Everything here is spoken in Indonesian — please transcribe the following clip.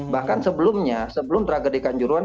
bahkan sebelumnya sebelum tragedi kanjuruan